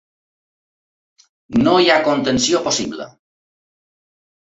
No hi ha contenció possible.